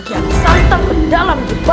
tiang santan ke dalam jebakan kedua